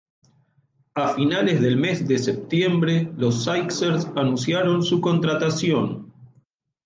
A finales del mes de septiembre los Sixers anunciaron su contratación.